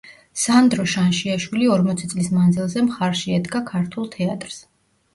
სანდრო შანშიაშვილი ორმოცი წლის მანძილზე მხარში ედგა ქართულ თეატრს.